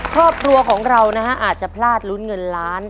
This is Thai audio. ครอบครัวของเรานะฮะอาจจะพลาดลุ้นเงินล้าน